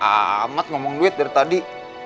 amat ngomong duit dari tadi